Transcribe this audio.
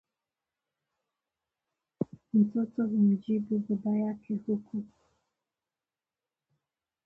mtoto humjibu baba yake huku